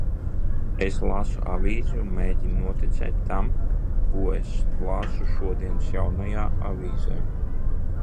"Es lasu avīzi un mēģinu noticēt tam, ko es lasu šodienas "Jaunajā Avīzē"."